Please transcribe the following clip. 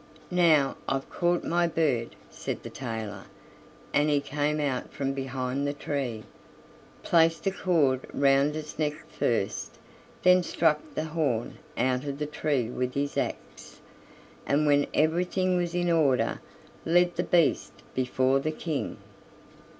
"Now I've caught my bird," said the tailor, and he came out from behind the tree, placed the cord round its neck first, then struck the horn out of the tree with his axe, and when everything was in order led the beast before the King.